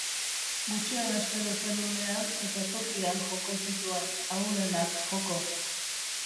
Gutxien espero zen unean eta tokian joko zituen, ahulenak joko.